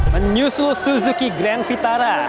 menyusul suzuki grand vitara